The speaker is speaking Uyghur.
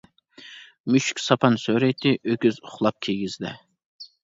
مۈشۈك ساپان سۆرەيتتى، ئۆكۈز ئۇخلاپ كىگىزدە.